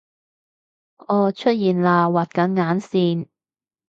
噢出現喇畫緊眼線！